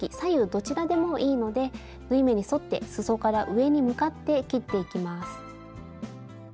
どちらでもいいので縫い目に沿ってすそから上に向かって切っていきます。